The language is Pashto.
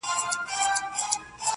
• د دې خوب تعبير يې ورکه شیخ صاحبه..